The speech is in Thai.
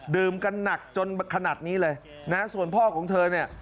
ดื่มกันหนักจนขนาดนี้เลยนะส่วนพ่อของเธอเนี่ย